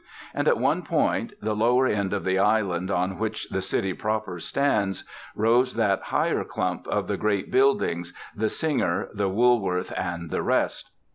And at one point, the lower end of the island on which the city proper stands, rose that higher clump of the great buildings, the Singer, the Woolworth, and the rest.